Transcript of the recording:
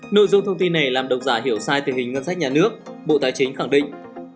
nội dung thông tin này làm độc giả hiểu sai tình hình ngân sách nhà nước bộ tài chính khẳng định